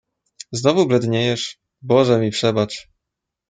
"znowu bledniejesz... Boże mi przebacz!"